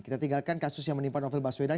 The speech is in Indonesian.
kita tinggalkan kasus yang menimpa novel baswedan